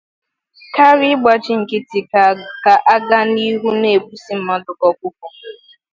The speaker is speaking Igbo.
karịa ịgbachị nkịtị ka a gaa n'ihu na-egbusi mmadụ ka ọkụkọ.